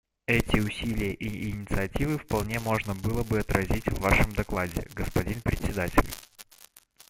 Эти усилия и инициативы вполне можно было бы отразить в Вашем докладе, господин Председатель.